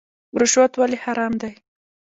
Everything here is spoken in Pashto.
رشوت ولې حرام دی؟